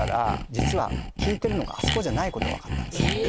実は効いてるのがあそこじゃないことが分かった。